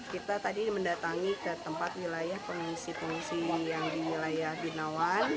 kita tadi mendatangi ke tempat wilayah pengungsi pengungsi yang di wilayah binawan